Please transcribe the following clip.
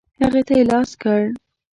هغې ته یې لاس کړ.